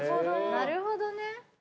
なるほどね。